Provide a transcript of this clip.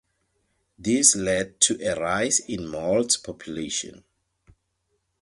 This led to a rise in Mold's population.